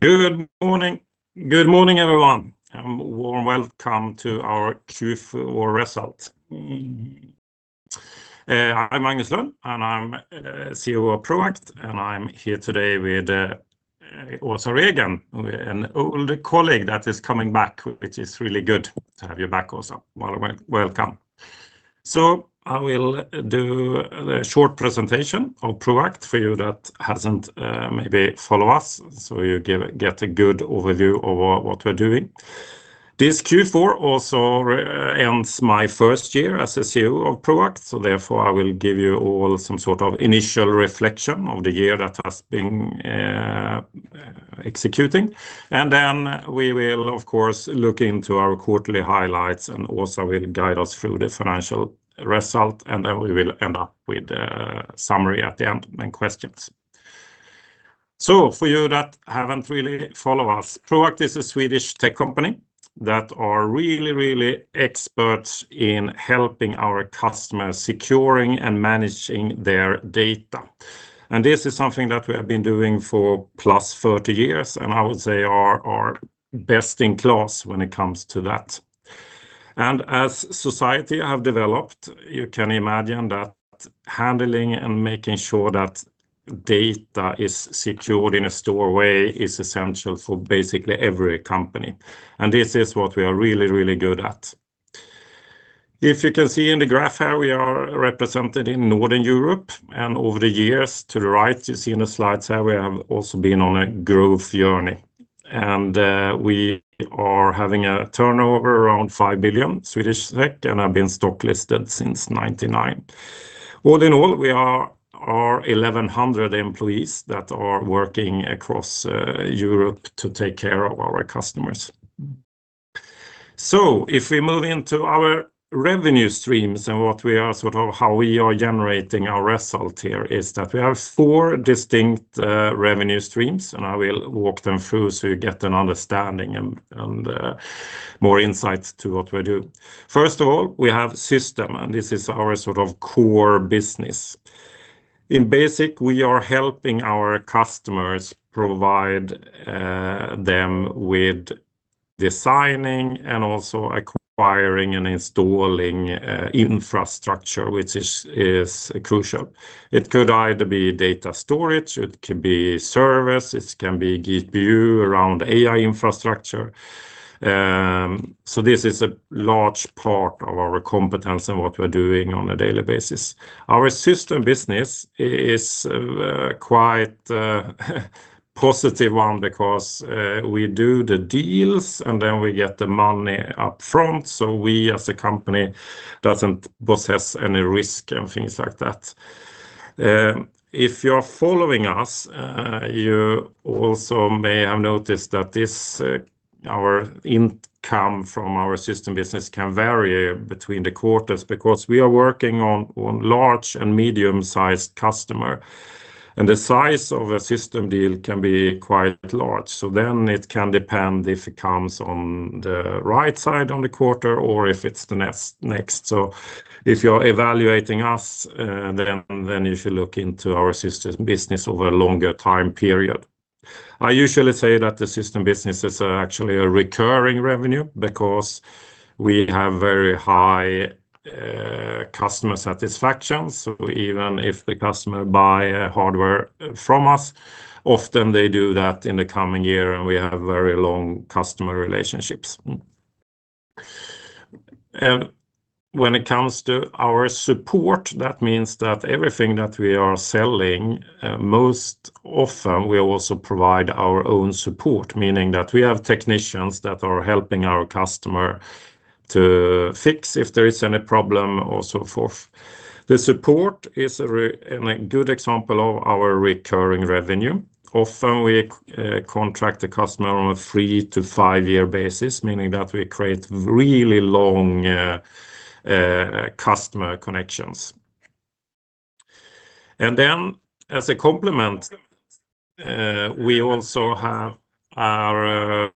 Good morning. Good morning, everyone, and warm welcome to our Q4 result. I'm Magnus Lönn, and I'm CEO of Proact, and I'm here today with Åsa Regen, an old colleague that is coming back, which is really good to have you back, Åsa. Well, welcome. So I will do the short presentation of Proact for you that hasn't maybe follow us, so you get a good overview of what we're doing. This Q4 also ends my first year as a CEO of Proact, so therefore, I will give you all some sort of initial reflection of the year that has been exciting. And then we will, of course, look into our quarterly highlights, and Åsa will guide us through the financial result, and then we will end up with a summary at the end, main questions. So for you that haven't really followed us, Proact is a Swedish tech company that are really, really experts in helping our customers securing and managing their data. This is something that we have been doing for +30 years, and I would say are best in class when it comes to that. As society have developed, you can imagine that handling and making sure that data is secured in a secure way is essential for basically every company. This is what we are really, really good at. If you can see in the graph here, we are represented in Northern Europe, and over the years to the right, you see in the slides how we have also been on a growth journey. We are having a turnover around 5 billion, and have been stock listed since 1999. All in all, we are 1,100 employees that are working across Europe to take care of our customers. So if we move into our revenue streams and what we are sort of, how we are generating our result here, is that we have four distinct revenue streams, and I will walk them through so you get an understanding and more insights to what we do. First of all, we have system, and this is our sort of core business. In basic, we are helping our customers provide them with designing and also acquiring and installing infrastructure, which is crucial. It could either be data storage, it could be service, it can be GPU around AI infrastructure. So this is a large part of our competence and what we're doing on a daily basis. Our system business is quite positive one because we do the deals and then we get the money upfront, so we as a company doesn't possess any risk and things like that. If you're following us, you also may have noticed that this our income from our system business can vary between the quarters, because we are working on large and medium-sized customer, and the size of a system deal can be quite large. So then it can depend if it comes on the right side on the quarter or if it's the next. So if you're evaluating us, then you should look into our system business over a longer time period. I usually say that the system business is actually a recurring revenue because we have very high customer satisfaction. So even if the customer buy a hardware from us, often they do that in the coming year, and we have very long customer relationships. And when it comes to our support, that means that everything that we are selling, most often, we also provide our own support, meaning that we have technicians that are helping our customer to fix if there is any problem or so forth. The support is a good example of our recurring revenue. Often, we contract the customer on a three-year to five-year basis, meaning that we create really long customer connections. And then, as a complement, we also have our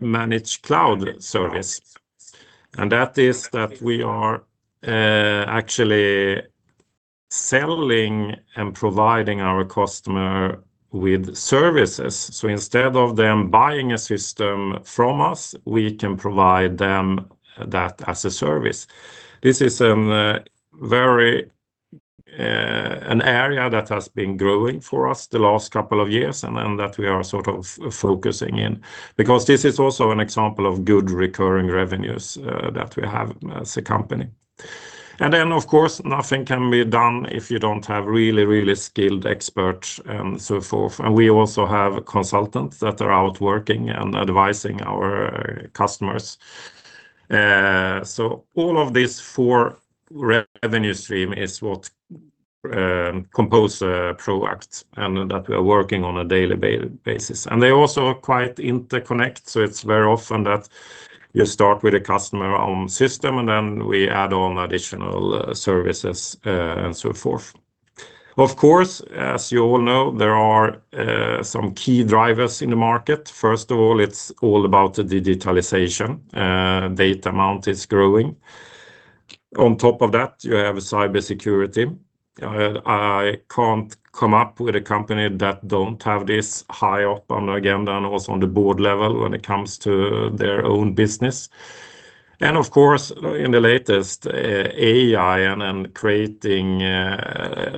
managed cloud service, and that is that we are actually selling and providing our customer with services. So instead of them buying a system from us, we can provide them that as a service. This is an very an area that has been growing for us the last couple of years and then that we are sort of focusing in, because this is also an example of good recurring revenues that we have as a company. And then, of course, nothing can be done if you don't have really, really skilled experts and so forth. And we also have consultants that are out working and advising our customers. So all of these four revenue stream is what compose Proact and that we are working on a daily basis, and they also are quite interconnected. So it's very often that you start with a customer on system, and then we add on additional services and so forth. Of course, as you all know, there are some key drivers in the market. First of all, it's all about the digitalization. Data amount is growing. On top of that, you have cybersecurity. I can't come up with a company that don't have this high up on the agenda and also on the board level when it comes to their own business. And of course, in the latest, AI and creating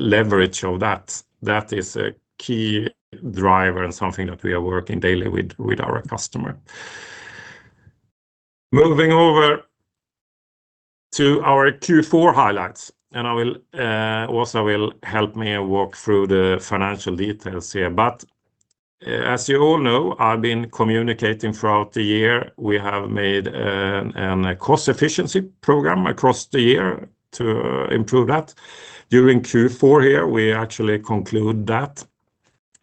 leverage of that, that is a key driver and something that we are working daily with our customer. Moving over to our Q4 highlights, and I will also will help me walk through the financial details here. But, as you all know, I've been communicating throughout the year, we have made a cost-efficiency program across the year to improve that. During Q4 here, we actually conclude that,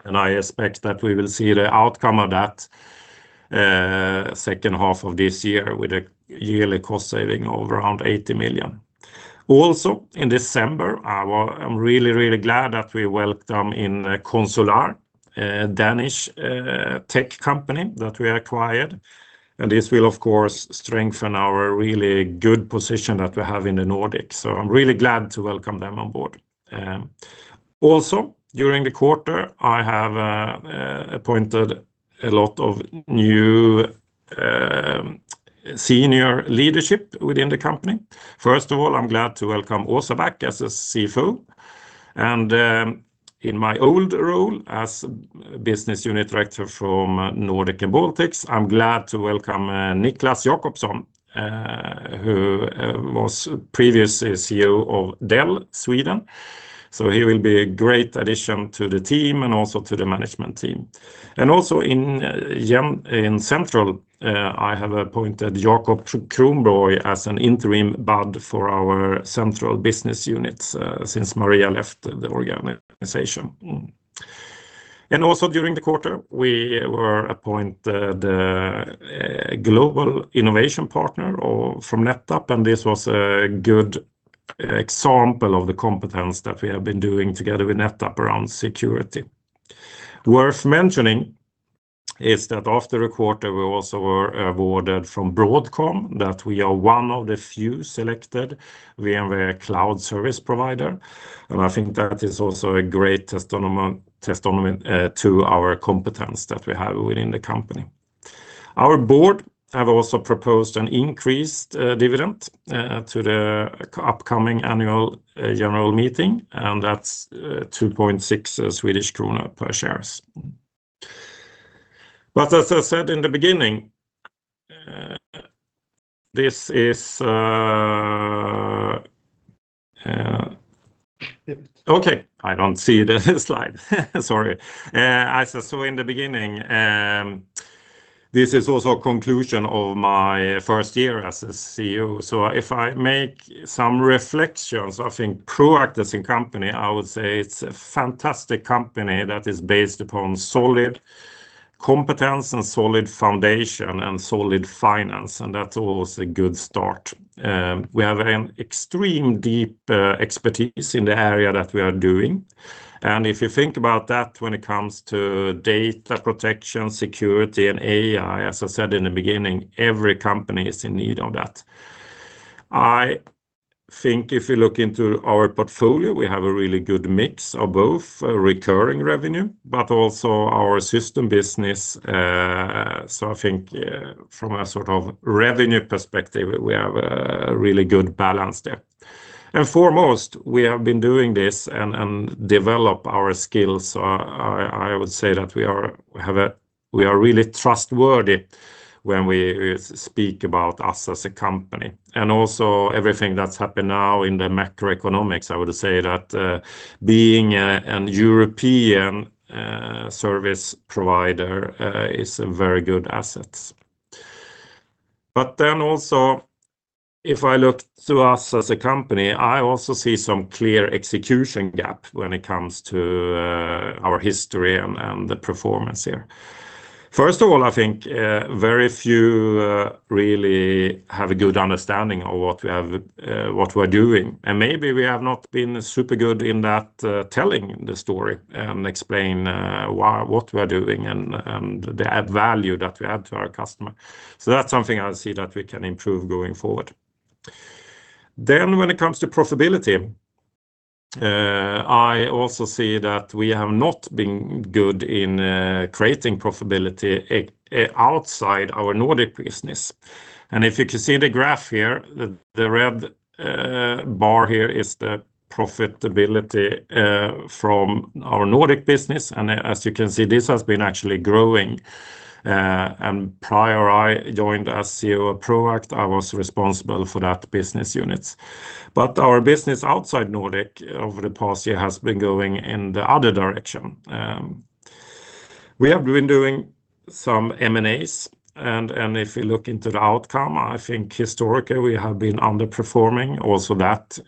and I expect that we will see the outcome of that, second half of this year with a yearly cost saving of around 80 million. Also, in December, I was really, really glad that we welcomed in Consular, a Danish, tech company that we acquired, and this will of course strengthen our really good position that we have in the Nordics. So I'm really glad to welcome them on board. Also, during the quarter, I have appointed a lot of new, senior leadership within the company. First of all, I'm glad to welcome Åsa back as a CFO, and, in my old role as Business Unit Director from Nordic and Baltics, I'm glad to welcome, Niklas Jakobsson, who, was previous CEO of Dell Sweden. He will be a great addition to the team and also to the management team. Also in Central, I have appointed Jacob Kronborg as an interim BUD for our Central business units, since Maria left the organization. Also during the quarter, we were appointed a global innovation partner by NetApp, and this was a good example of the competence that we have been doing together with NetApp around security. Worth mentioning is that after a quarter, we also were awarded by Broadcom, that we are one of the few selected VMware cloud service provider, and I think that is also a great testimony to our competence that we have within the company. Our board have also proposed an increased dividend to the upcoming annual general meeting, and that's 2.6 Swedish krona per shares. But as I said in the beginning, this is. Okay, I don't see the slide. Sorry. As I said in the beginning, this is also a conclusion of my first year as a CEO. So if I make some reflections, I think Proact as a company, I would say it's a fantastic company that is based upon solid competence and solid foundation and solid finance, and that's always a good start. We have an extreme deep expertise in the area that we are doing. And if you think about that when it comes to data protection, security, and AI, as I said in the beginning, every company is in need of that. I think if you look into our portfolio, we have a really good mix of both recurring revenue, but also our system business, so I think, from a sort of revenue perspective, we have a really good balance there. And foremost, we have been doing this and develop our skills. I would say that we are really trustworthy when we speak about us as a company. And also everything that's happened now in the macroeconomics, I would say that, being an European service provider is a very good asset. But then also, if I look to us as a company, I also see some clear execution gap when it comes to our history and the performance here. First of all, I think very few really have a good understanding of what we have, what we're doing, and maybe we have not been super good in that, telling the story and explain why, what we're doing and the add value that we add to our customer. So that's something I see that we can improve going forward. Then, when it comes to profitability, I also see that we have not been good in creating profitability outside our Nordic business. And if you can see the graph here, the red bar here is the profitability from our Nordic business. And as you can see, this has been actually growing, and prior I joined as CEO of Proact, I was responsible for that business units. But our business outside Nordic over the past year has been going in the other direction. We have been doing some M&As, and if you look into the outcome, I think historically, we have been underperforming. Also,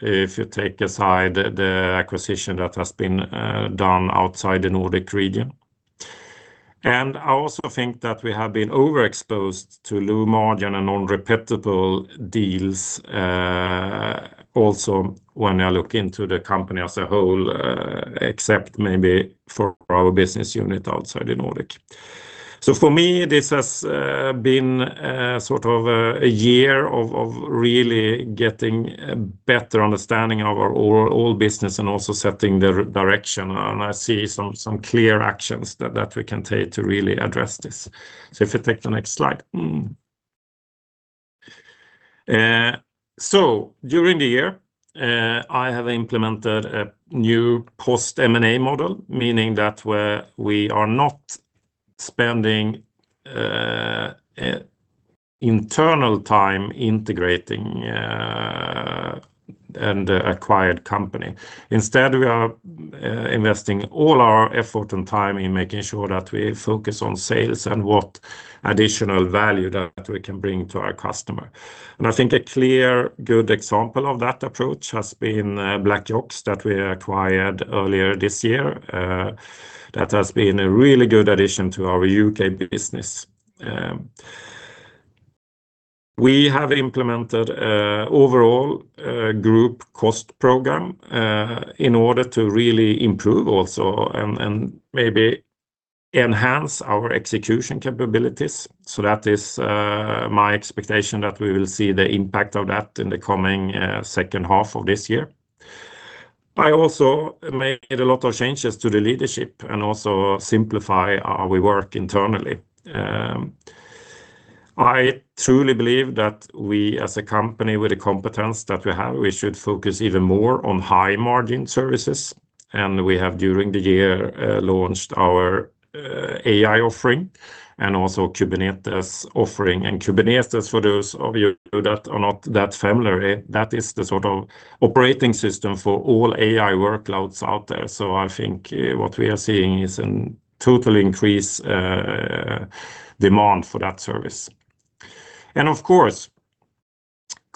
if you take aside the acquisition that has been done outside the Nordic region. And I also think that we have been overexposed to low margin and unrepeatable deals, also, when I look into the company as a whole, except maybe for our business unit outside the Nordic. So for me, this has been sort of a year of really getting a better understanding of our overall business and also setting the direction, and I see some clear actions that we can take to really address this. So if you take the next slide. So during the year, I have implemented a new post M&A model, meaning that we're, we are not spending, internal time integrating, an acquired company. Instead, we are, investing all our effort and time in making sure that we focus on sales and what additional value that we can bring to our customer. And I think a clear, good example of that approach has been, BlakYaks that we acquired earlier this year. That has been a really good addition to our U.K. business. We have implemented a overall, group cost program, in order to really improve also and, and maybe enhance our execution capabilities. So that is, my expectation that we will see the impact of that in the coming, second half of this year. I also made a lot of changes to the leadership and also simplify how we work internally. I truly believe that we, as a company, with the competence that we have, we should focus even more on high-margin services, and we have, during the year, launched our AI offering and also Kubernetes offering. And Kubernetes, for those of you that are not that familiar, that is the sort of operating system for all AI workloads out there. So I think, what we are seeing is a total increase demand for that service. And of course,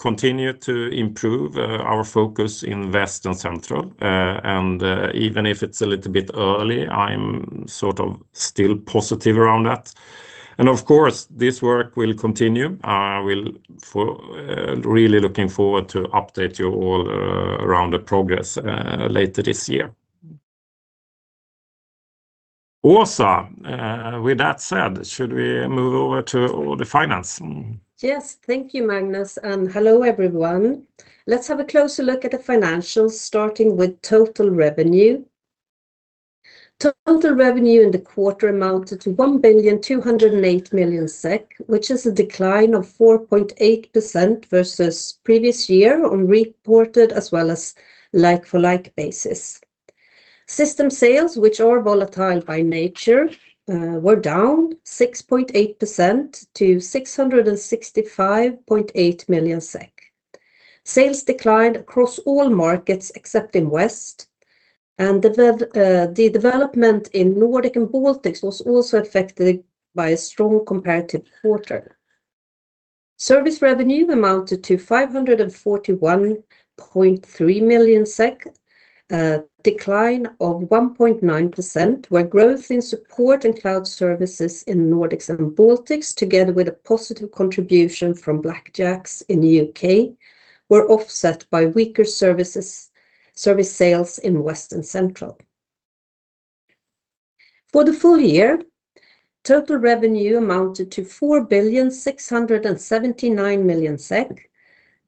continue to improve our focus in West and Central, and even if it's a little bit early, I'm sort of still positive around that. And of course, this work will continue. I will for. Really looking forward to update you all around the progress later this year. Åsa, with that said, should we move over to all the finance? Yes. Thank you, Magnus, and hello, everyone. Let's have a closer look at the financials, starting with total revenue. Total revenue in the quarter amounted to 1.208 billion SEK, which is a decline of 4.8% versus previous year on reported as well as like-for-like basis. System sales, which are volatile by nature, were down 6.8% to 665.8 million SEK. Sales declined across all markets except in West, and the development in Nordic and Baltics was also affected by a strong comparative quarter. Service revenue amounted to 541.3 million SEK, a decline of 1.9%, where growth in support and cloud services in Nordics and Baltics, together with a positive contribution from BlakYaks in the U.K., were offset by weaker services, service sales in West and Central. For the full year, total revenue amounted to 4.679 billion,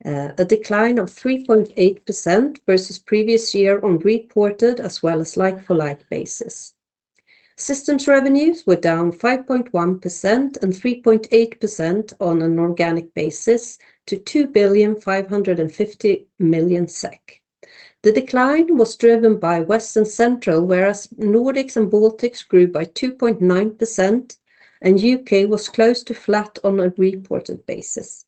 a decline of 3.8% versus previous year on reported as well as like-for-like basis. Systems revenues were down 5.1% and 3.8% on an organic basis to 2.550 billion. The decline was driven by West and Central, whereas Nordics and Baltics grew by 2.9%, and U.K. was close to flat on a reported basis.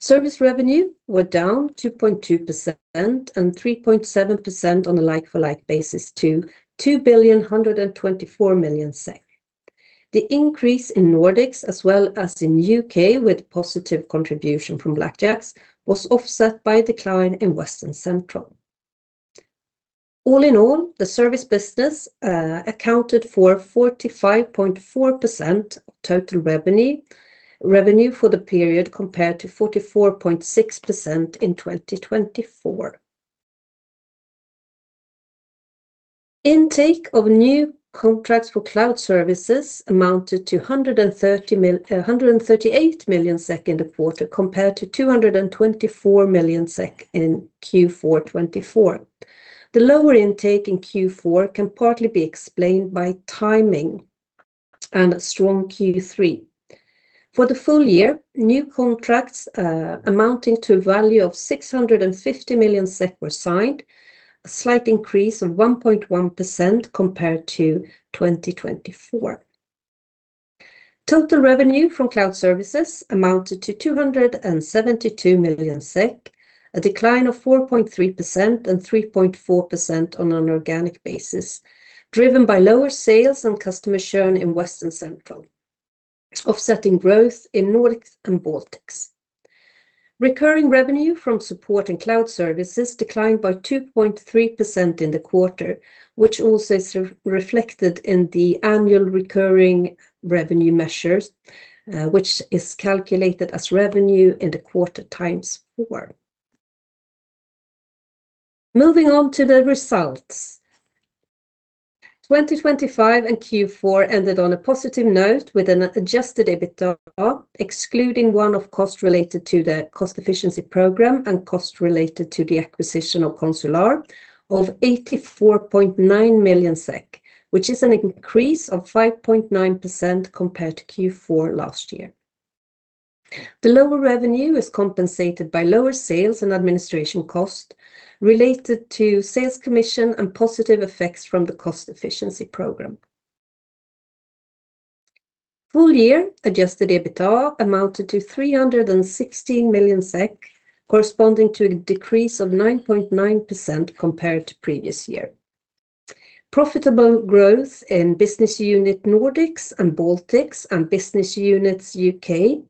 Service revenue were down 2.2% and 3.7% on a like-for-like basis to 2.124 billion SEK. The increase in Nordics, as well as in U.K., with positive contribution from BlakYaks, was offset by a decline in West and Central. All in all, the service business accounted for 45.4% of total revenue, revenue for the period, compared to 44.6% in 2024. Intake of new contracts for cloud services amounted to 138 million SEK in the quarter, compared to 224 million SEK in Q4 2024. The lower intake in Q4 can partly be explained by timing and a strong Q3. For the full year, new contracts amounting to a value of 650 million SEK were signed, a slight increase of 1.1% compared to 2024. Total revenue from cloud services amounted to 272 million SEK, a decline of 4.3% and 3.4% on an organic basis, driven by lower sales and customer churn in West and Central, offsetting growth in Nordics and Baltics. Recurring revenue from support and cloud services declined by 2.3% in the quarter, which also is reflected in the annual recurring revenue measures, which is calculated as revenue in the quarter times four. Moving on to the results. 2025 and Q4 ended on a positive note with an adjusted EBITDA, excluding one-off cost related to the cost-efficiency program and cost related to the acquisition of Consular of 84.9 million SEK, which is an increase of 5.9% compared to Q4 last year. The lower revenue is compensated by lower sales and administration costs related to sales commission and positive effects from the cost-efficiency program. Full year adjusted EBITDA amounted to 316 million SEK, corresponding to a decrease of 9.9% compared to previous year. Profitable growth in business unit Nordics and Baltics and business units U.K.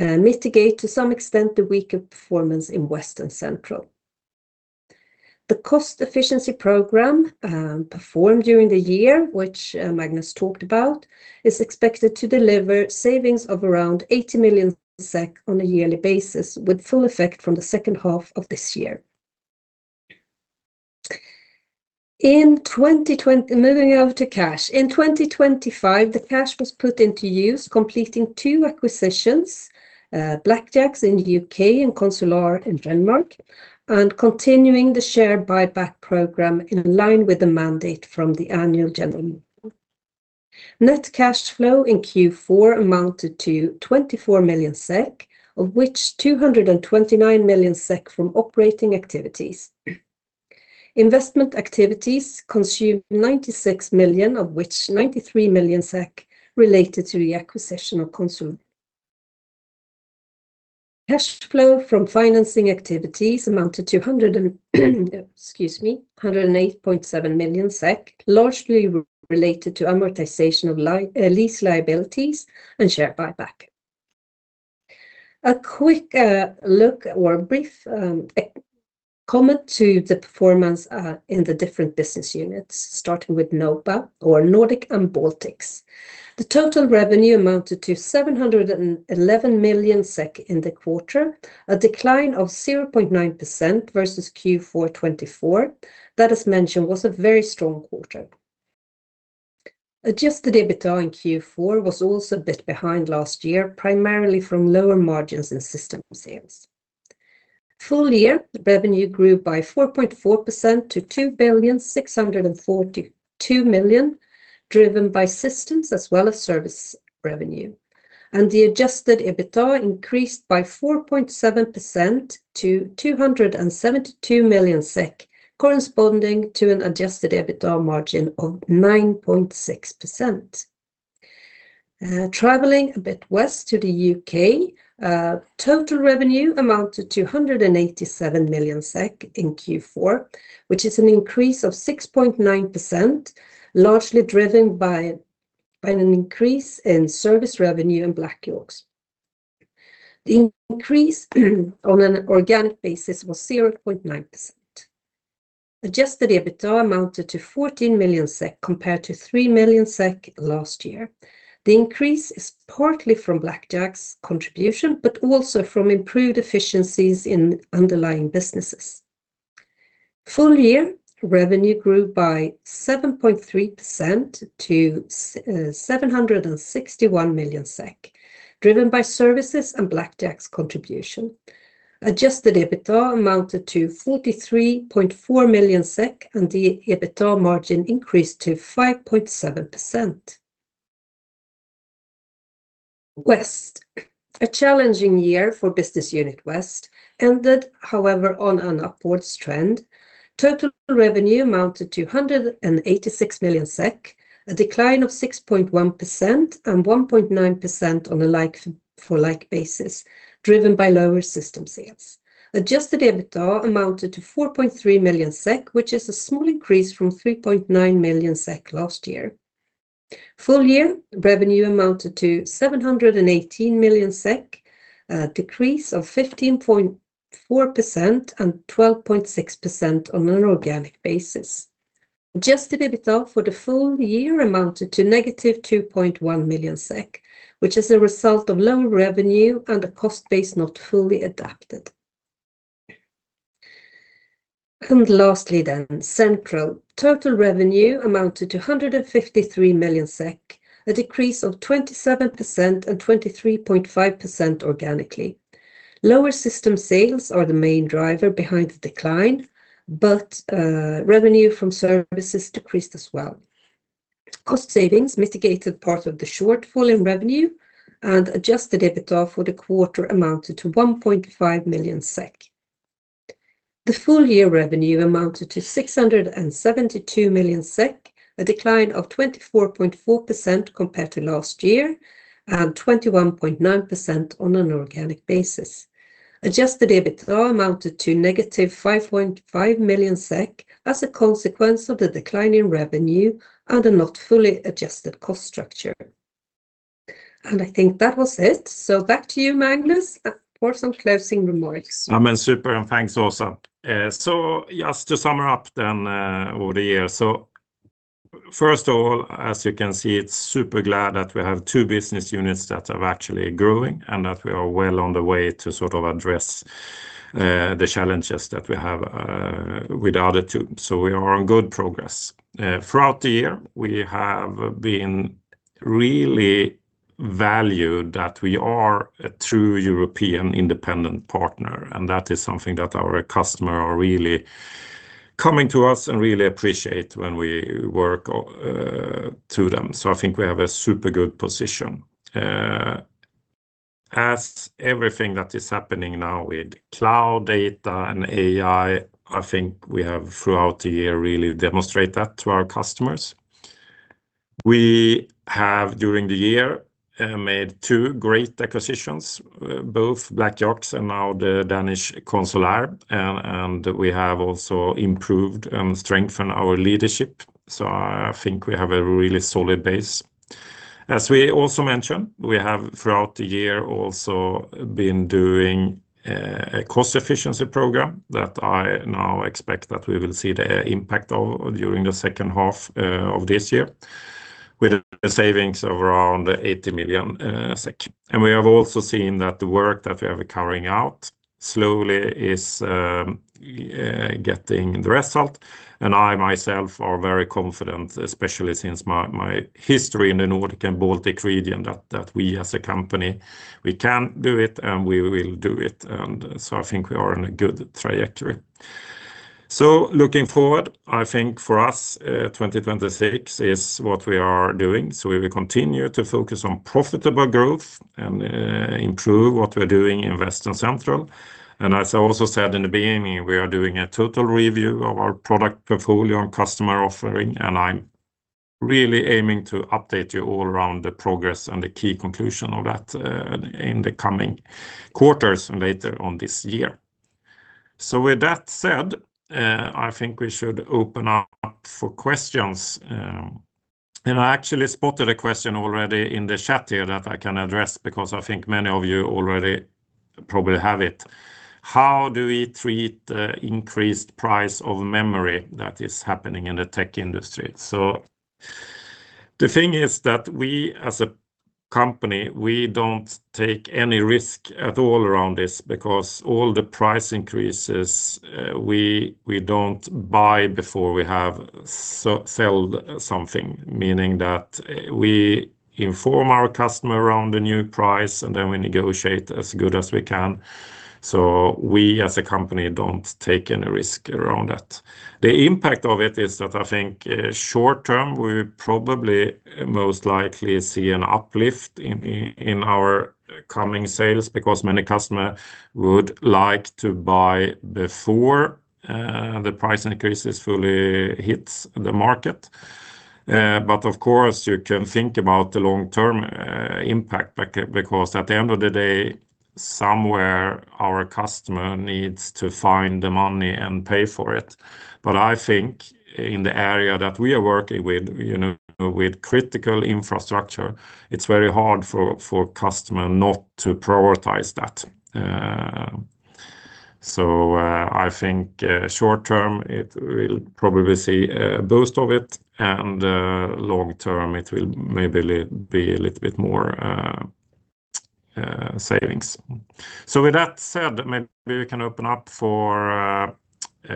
mitigate to some extent the weaker performance in West and Central. The cost-efficiency program performed during the year, which Magnus talked about, is expected to deliver savings of around 80 million SEK on a yearly basis, with full effect from the second half of this year. In 2025, the cash was put into use, completing two acquisitions, BlakYaks in the U.K. and Consular in Denmark, and continuing the share buyback program in line with the mandate from the annual general meeting. Net cash flow in Q4 amounted to 24 million SEK, of which 229 million SEK from operating activities. Investment activities consumed 96 million, of which 93 million SEK related to the acquisition of Consular. Cash flow from financing activities amounted to hundred and, excuse me, 108.7 million SEK, largely related to amortization of lease liabilities and share buyback. A quick look or a brief comment to the performance in the different business units, starting with NOBA, or Nordic and Baltics. The total revenue amounted to 711 million SEK in the quarter, a decline of 0.9% versus Q4 2024. That, as mentioned, was a very strong quarter. Adjusted EBITDA in Q4 was also a bit behind last year, primarily from lower margins in system sales. Full year, the revenue grew by 4.4% to 2.642 billion, driven by systems as well as service revenue. The adjusted EBITDA increased by 4.7% to 272 million SEK, corresponding to an adjusted EBITDA margin of 9.6%. Traveling a bit west to the UK, total revenue amounted to 187 million SEK in Q4, which is an increase of 6.9%, largely driven by an increase in service revenue and BlakYaks. The increase on an organic basis was 0.9%. Adjusted EBITDA amounted to 14 million SEK, compared to 3 million SEK last year. The increase is partly from BlakYaks' contribution, but also from improved efficiencies in underlying businesses. Full year, revenue grew by 7.3% to 761 million SEK, driven by services and BlakYaks' contribution. Adjusted EBITDA amounted to 43.4 million SEK, and the EBITDA margin increased to 5.7%. West. A challenging year for Business Unit West ended, however, on an upward trend. Total revenue amounted to 186 million SEK, a decline of 6.1% and 1.9% on a like-for-like basis, driven by lower system sales. Adjusted EBITDA amounted to 4.3 million SEK, which is a small increase from 3.9 million SEK last year. Full year, revenue amounted to 718 million SEK, a decrease of 15.4% and 12.6% on an organic basis. Adjusted EBITDA for the full year amounted to -2.1 million SEK, which is a result of lower revenue and a cost base not fully adapted. And lastly, then, Central. Total revenue amounted to 153 million SEK, a decrease of 27% and 23.5% organically. Lower system sales are the main driver behind the decline, but, revenue from services decreased as well. Cost savings mitigated part of the shortfall in revenue, and adjusted EBITDA for the quarter amounted to 1.5 million SEK. The full year revenue amounted to 672 million SEK, a decline of 24.4% compared to last year, and 21.9% on an organic basis. Adjusted EBITDA amounted to -5.5 million SEK, as a consequence of the decline in revenue and a not fully adjusted cost structure. I think that was it. Back to you, Magnus, for some closing remarks. I mean, super, and thanks, Åsa. So just to sum up then, over the year. First of all, as you can see, it's super glad that we have two business units that are actually growing, and that we are well on the way to sort of address the challenges that we have with the other two. So we are on good progress. Throughout the year, we have been really valued that we are a true European independent partner, and that is something that our customer are really coming to us and really appreciate when we work through them. So I think we have a super good position. As everything that is happening now with cloud data and AI, I think we have, throughout the year, really demonstrate that to our customers. We have, during the year, made two great acquisitions, both BlakYaks and now the Danish Consular, and, and we have also improved and strengthened our leadership. So I think we have a really solid base. As we also mentioned, we have, throughout the year, also been doing a cost-efficiency program that I now expect that we will see the impact of during the second half of this year, with the savings of around 80 million SEK. And we have also seen that the work that we are carrying out slowly is getting the result, and I myself are very confident, especially since my, my history in the Nordic and Baltic region, that, that we as a company, we can do it, and we will do it, and so I think we are in a good trajectory. So looking forward, I think for us, 2026 is what we are doing. So we will continue to focus on profitable growth and, improve what we're doing in West and Central. And as I also said in the beginning, we are doing a total review of our product portfolio and customer offering, and I'm really aiming to update you all around the progress and the key conclusion of that, in the coming quarters and later on this year. So with that said, I think we should open up for questions, and I actually spotted a question already in the chat here that I can address, because I think many of you already probably have it. How do we treat the increased price of memory that is happening in the tech industry?" So the thing is that we as a company, we don't take any risk at all around this, because all the price increases, we don't buy before we have sold something, meaning that we inform our customer around the new price, and then we negotiate as good as we can. So we as a company don't take any risk around that. The impact of it is that I think, short term, we probably most likely see an uplift in our coming sales, because many customer would like to buy before the price increases fully hits the market. But of course, you can think about the long-term impact, because at the end of the day, somewhere our customer needs to find the money and pay for it. But I think in the area that we are working with, you know, with critical infrastructure, it's very hard for customers not to prioritize that. So I think short term it will probably see a boost of it, and long term it will maybe be a little bit more savings. So with that said, maybe we can open up for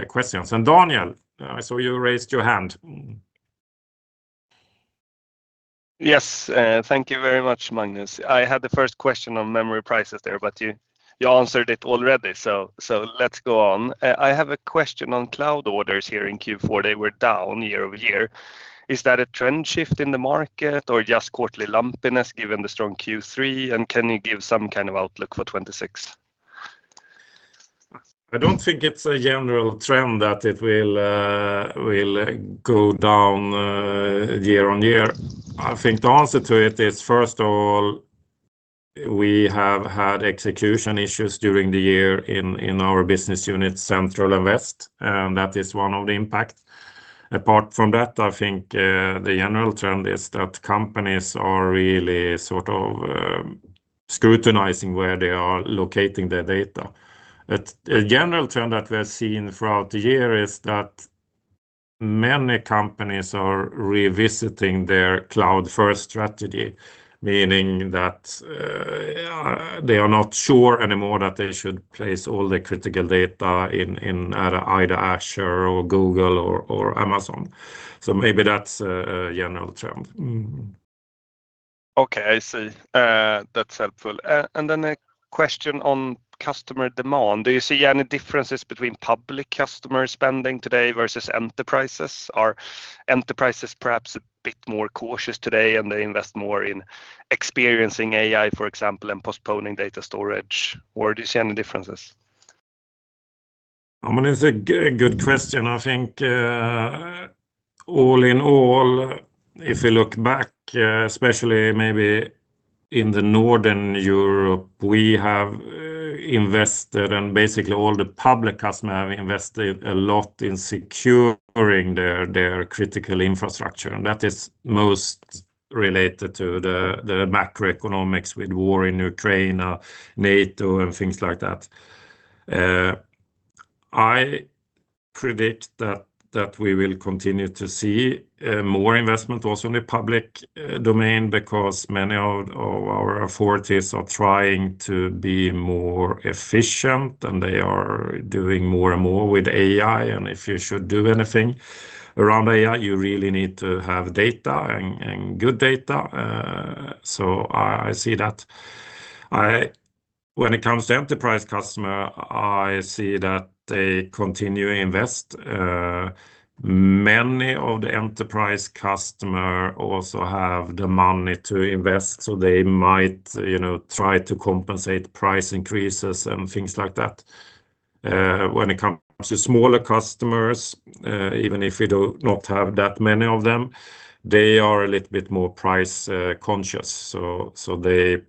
questions. And Daniel, I saw you raised your hand. Yes, thank you very much, Magnus. I had the first question on memory prices there, but you, you answered it already, so, so let's go on. I have a question on cloud orders here in Q4. They were down year-over-year. Is that a trend shift in the market or just quarterly lumpiness, given the strong Q3? And can you give some kind of outlook for 2026? I don't think it's a general trend that it will go down year on year. I think the answer to it is, first of all, we have had execution issues during the year in our business unit, Central and West, and that is one of the impacts. Apart from that, I think the general trend is that companies are really sort of scrutinizing where they are locating their data. A general trend that we're seeing throughout the year is that many companies are revisiting their cloud-first strategy. Meaning that they are not sure anymore that they should place all the critical data in either Azure or Google or Amazon. So maybe that's a general trend. Mm-hmm. Okay, I see. That's helpful. And then a question on customer demand: do you see any differences between public customer spending today versus enterprises? Are enterprises perhaps a bit more cautious today, and they invest more in experiencing AI, for example, and postponing data storage, or do you see any differences? I mean, it's a good question. I think, all in all, if you look back, especially maybe in the Northern Europe, we have invested and basically all the public customer have invested a lot in securing their, their critical infrastructure, and that is most related to the, the macroeconomics with war in Ukraine, NATO and things like that. I predict that, that we will continue to see, more investment also in the public domain, because many of, of our authorities are trying to be more efficient, and they are doing more and more with AI. And if you should do anything around AI, you really need to have data and, and good data. So I, I see that. When it comes to enterprise customer, I see that they continue to invest. Many of the enterprise customer also have the money to invest, so they might, you know, try to compensate price increases and things like that. When it comes to smaller customers, even if we do not have that many of them, they are a little bit more price conscious. So they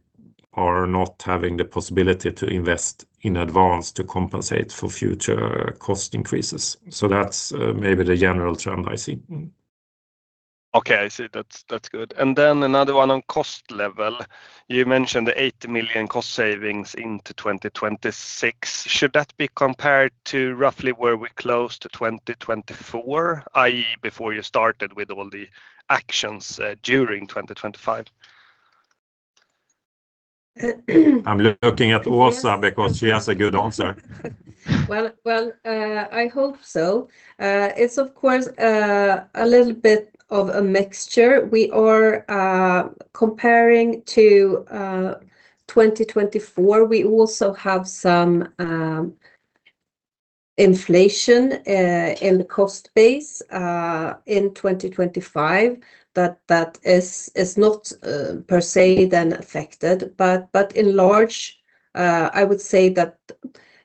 are not having the possibility to invest in advance to compensate for future cost increases. So that's maybe the general trend I see. Okay, I see. That's, that's good. And then another one on cost level. You mentioned the 80 million cost savings into 2026. Should that be compared to roughly where we closed to 2024, i.e., before you started with all the actions during 2025? I'm looking at Åsa because she has a good answer. Well, well, I hope so. It's of course a little bit of a mixture. We are comparing to 2024. We also have some inflation in cost base in 2025, that is not per se then affected. But in large, I would say that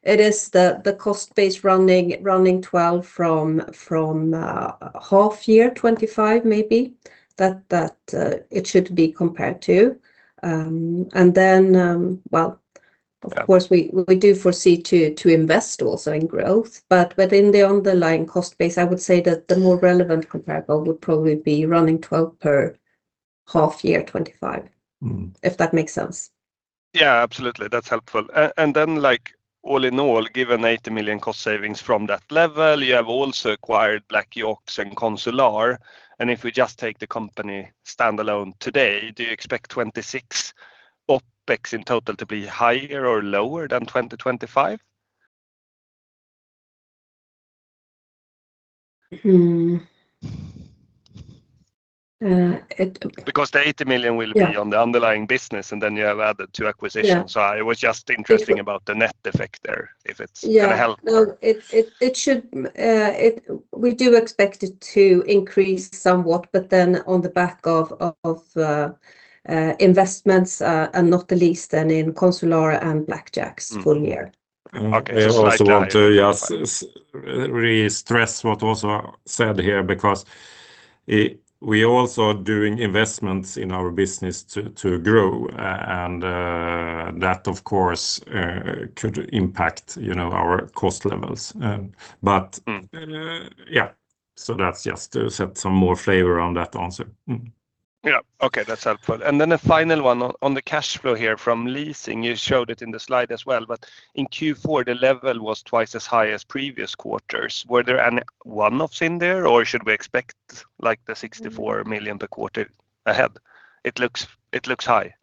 it is the cost base running 12 from half year 2025 maybe, that it should be compared to. And then, well- Yeah Of course, we do foresee to invest also in growth, but within the underlying cost base, I would say that the more relevant comparable would probably be running 12 per half year 2025. Mm-hmm. If that makes sense. Yeah, absolutely. That's helpful. And, and then, like, all in all, given 80 million cost savings from that level, you have also acquired BlakYaks and Consular. And if we just take the company standalone today, do you expect 2026 OpEx in total to be higher or lower than 2025? Hmm. Because the 80 million will be- Yeah on the underlying business, and then you have added two acquisitions. Yeah. It was just interesting about the net effect there, if it's gonna help. Yeah. No, it should. We do expect it to increase somewhat, but then on the back of investments, and not the least then in Consular and BlakYaks- Mm -full year. Okay. I also want to just re-stress what Åsa said here, because we also are doing investments in our business to grow. And that, of course, could impact, you know, our cost levels. But yeah, so that's just to set some more flavor on that answer. Yeah. Okay, that's helpful. And then a final one on the cash flow here from leasing. You showed it in the slide as well, but in Q4, the level was twice as high as previous quarters. Were there any one-offs in there, or should we expect, like, the 64 million per quarter ahead? It looks, it looks high.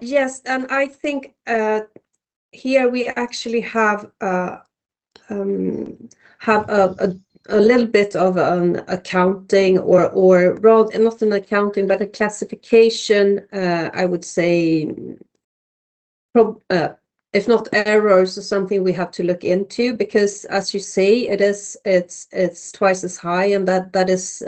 Yes, and I think here we actually have a little bit of accounting or not an accounting, but a classification. I would say, if not errors, or something we have to look into. Because as you say, it is twice as high, and that is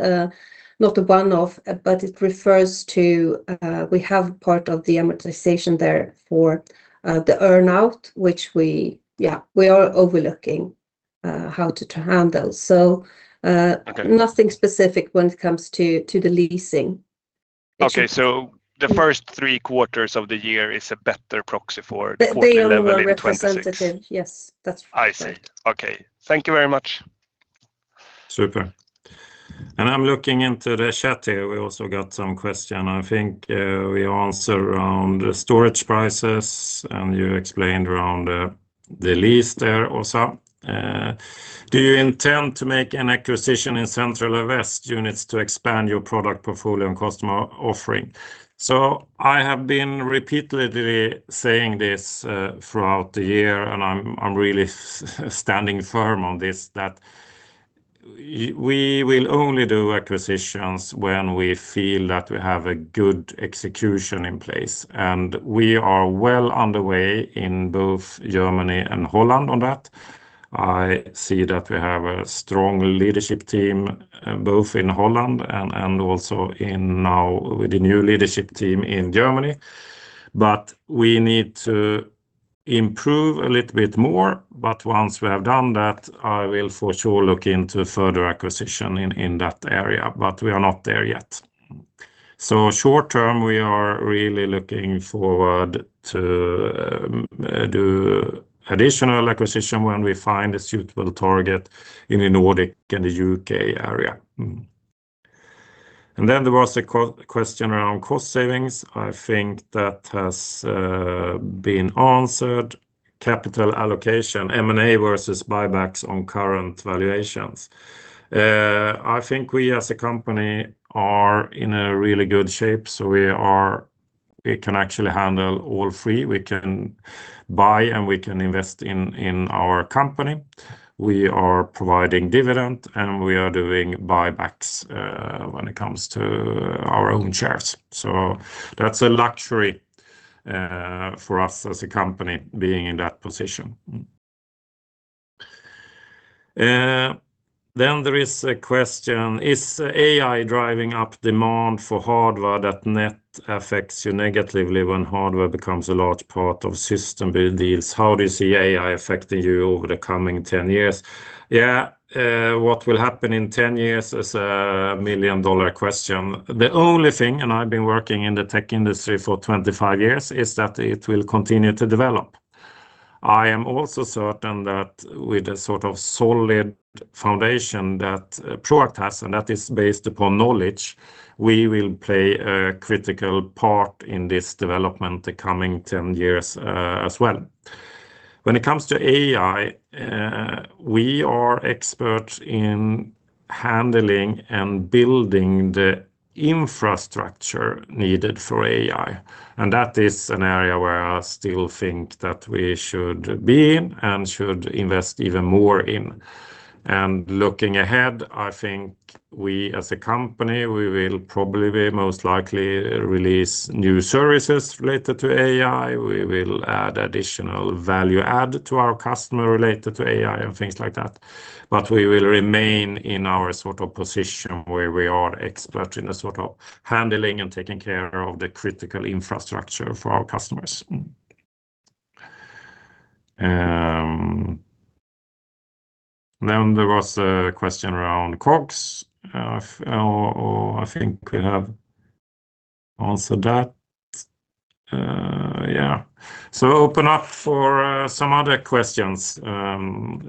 not a one-off, but it refers to we have part of the amortization there for the earn-out, which we are overlooking how to handle. So, Okay nothing specific when it comes to the leasing. Okay, so the first three quarters of the year is a better proxy for quarter level in 2026. They are more representative. Yes, that's right. I see. Okay. Thank you very much. Super. I'm looking into the chat here. We also got some question. I think we answered around the storage prices, and you explained around the lease there, Åsa. Do you intend to make an acquisition in Central West units to expand your product portfolio and customer offering? So I have been repeatedly saying this throughout the year, and I'm really standing firm on this, that we will only do acquisitions when we feel that we have a good execution in place, and we are well underway in both Germany and Holland on that. I see that we have a strong leadership team both in Holland and also in now with the new leadership team in Germany. But we need to improve a little bit more. But once we have done that, I will for sure look into further acquisition in, in that area. But we are not there yet. So short term, we are really looking forward to do additional acquisition when we find a suitable target in the Nordics and the U.K. area. And then there was a question around cost savings. I think that has been answered. Capital allocation, M&A versus buybacks on current valuations. I think we as a company are in a really good shape, so we can actually handle all three. We can buy, and we can invest in, in our company. We are providing dividend, and we are doing buybacks, when it comes to our own shares. So that's a luxury, for us as a company being in that position. Then there is a question: Is AI driving up demand for hardware that net affects you negatively when hardware becomes a large part of system build deals? How do you see AI affecting you over the coming 10 years? Yeah, what will happen in 10 years is a million-dollar question. The only thing, and I've been working in the tech industry for 25 years, is that it will continue to develop. I am also certain that with a sort of solid foundation that Proact has, and that is based upon knowledge, we will play a critical part in this development the coming 10 years, as well. When it comes to AI, we are experts in handling and building the infrastructure needed for AI, and that is an area where I still think that we should be in and should invest even more in. Looking ahead, I think we, as a company, we will probably be most likely release new services related to AI. We will add additional value add to our customer related to AI and things like that. But we will remain in our sort of position where we are expert in the sort of handling and taking care of the critical infrastructure for our customers. Then there was a question around COGS. Or I think we have answered that. Yeah. So open up for some other questions to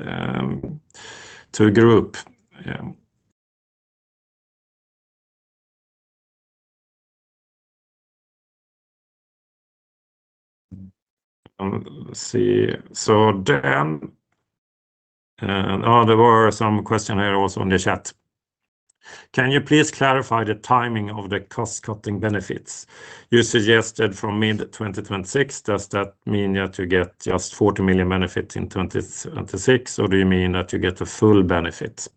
the group. Yeah. Let's see. So then, oh, there were some question here also on the chat. Can you please clarify the timing of the cost-cutting benefits you suggested from mid-2026? Does that mean that you get just 40 million benefits in 2026, or do you mean that you get the full benefits?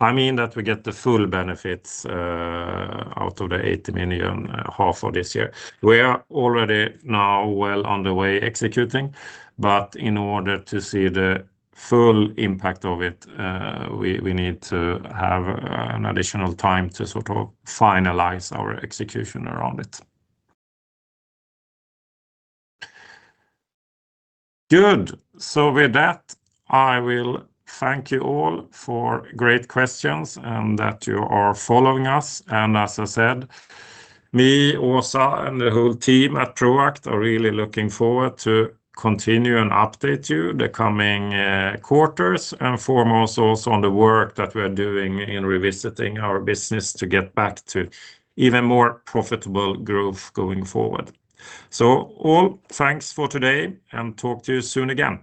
I mean that we get the full benefits out of the 80 million half of this year. We are already now well on the way executing, but in order to see the full impact of it, we need to have an additional time to sort of finalize our execution around it. Good. So with that, I will thank you all for great questions and that you are following us. And as I said, me, Åsa, and the whole team at Proact are really looking forward to continue and update you the coming quarters, and foremost, also on the work that we're doing in revisiting our business to get back to even more profitable growth going forward. All thanks for today, and talk to you soon again.